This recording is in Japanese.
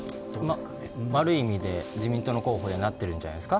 ある意味で、自民党の広報になってるんじゃないですか。